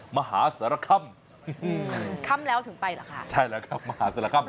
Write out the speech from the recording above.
มหาสารคำค่ำแล้วถึงไปเหรอคะใช่แล้วครับมหาศาลคำ